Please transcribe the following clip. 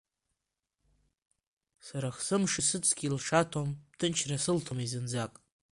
Сарах сымши сыҵхи лшаҭом, ҭынчра сылҭомеи зынӡак.